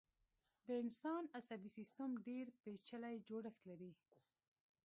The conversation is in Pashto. د انسان عصبي سيستم ډېر پيچلی جوړښت لري.